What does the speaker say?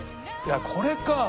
いやこれか。